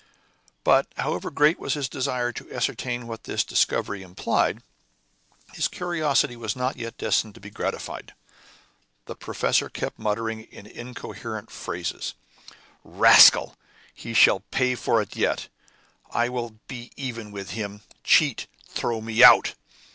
But, however great was his desire to ascertain what this discovery implied, his curiosity was not yet destined to be gratified. The professor kept muttering in incoherent phrases: "Rascal! he shall pay for it yet. I will be even with him! Cheat! Thrown me out!"